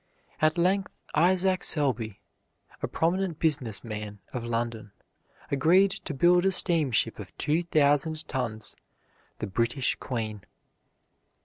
At length Isaac Selby, a prominent business man of London, agreed to build a steamship of two thousand tons, the British Queen.